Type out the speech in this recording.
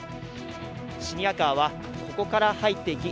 シニアカーはここから入っていき